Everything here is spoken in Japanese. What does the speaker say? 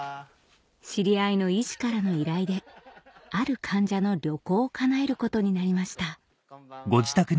知り合いの医師からの依頼である患者の旅行を叶えることになりましたこんばんは。